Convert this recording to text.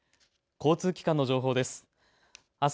交通機関の情報です。